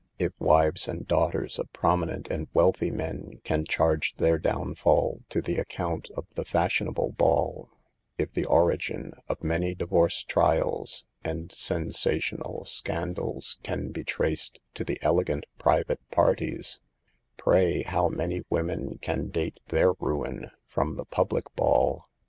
If wives and daughters of promi nent and wealthy men can charge their down fall to the account of the fashionable ball ; if the origin of many divorce trials and sensa tional scandals can be traced to the elegant private parties; pray how many women can date their ruin from the public ball